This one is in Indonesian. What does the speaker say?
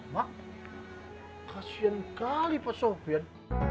mak kasihan kali pak sofyan